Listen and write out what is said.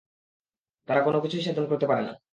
তারা কোনো কিছুই সাধন করতে পারে না।